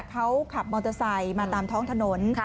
เขาขับมอเตอร์ไซค์มาตามท้องถนน